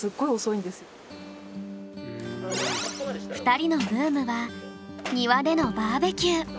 ２人のブームは庭でのバーベキュー。